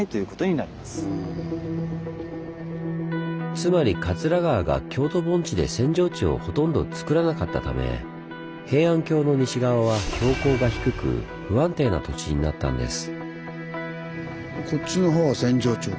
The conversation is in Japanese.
つまり桂川が京都盆地で扇状地をほとんどつくらなかったため平安京の西側は標高が低く不安定な土地になったんです。